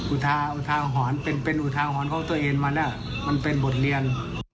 อุทาหอนเข้าตัวเองมาแล้วมันเป็นบทเรียน